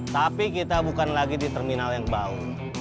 tapi kita bukan lagi di terminal yang bau